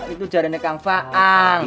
itu jarangnya kang faang